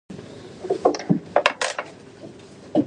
孩子们，这并不好笑。